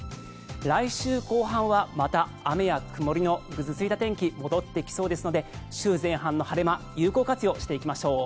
来週後半はまた雨や曇りのぐずついた天気が戻ってきそうですので週前半の晴れ間を有効活用していきましょう。